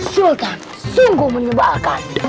sultan sungguh menyebalkan